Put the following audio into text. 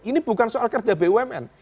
ini bukan soal kerja bumn